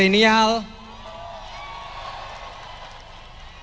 dan generasi yang berpengalaman